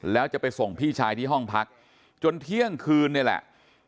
แล้วจะไปส่งพี่ชายที่ห้องพักจนเที่ยงคืนนี่แหละ